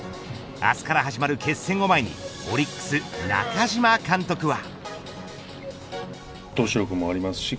明日から始まる決戦を前にオリックス、中嶋監督は。